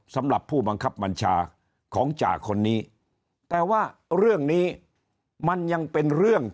สำหรับผู้บังคับบัญชาของจ่าคนนี้แต่ว่าเรื่องนี้มันยังเป็นเรื่อง